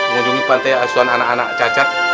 mengunjungi pantai asuhan anak anak cacat